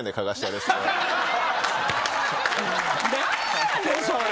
何やねんそれ。